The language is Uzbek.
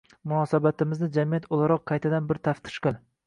munosabatimizni jamiyat o‘laroq qaytadan bir taftish qil